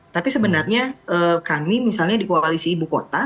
tapi sebenarnya kami misalnya di koalisi ibu kota